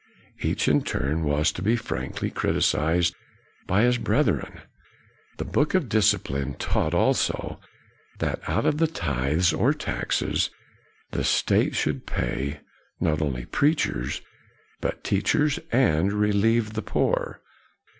Each in turn was to be frankly criticised by his brethren. The Book of Discipline taught also that out of the tithes or taxes the state should pay, not only preachers, but teachers and relieve the poor.